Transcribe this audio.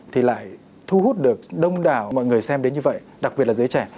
thì lại thu hút được đông đảo mọi người xem đến như vậy đặc biệt là giới trẻ